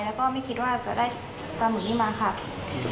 แล้วก็ไม่คิดว่าจะได้ปลาหมุนนี้มาขับ